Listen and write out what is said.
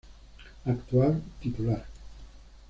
Actual Titular.